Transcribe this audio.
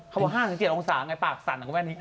คำว่า๕๗องศาไงปากสั่นครับคุณแม่นี้